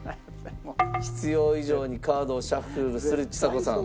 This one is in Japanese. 必要以上にカードをシャッフルするちさ子さん。